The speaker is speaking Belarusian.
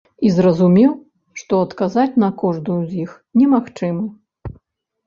І зразумеў, што адказаць на кожную з іх немагчыма.